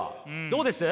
どうです？